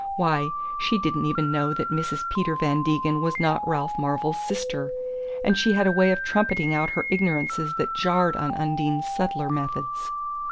Why, she didn't even know that Mrs. Peter Van Degen was not Ralph Marvell's sister! And she had a way of trumpeting out her ignorances that jarred on Undine's subtler methods.